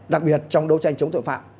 đặc biệt trong đấu tranh chống tội phạm